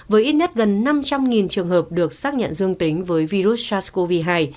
với ít nhất gần năm trăm linh trường hợp được xác nhận dương tính với virus sars cov hai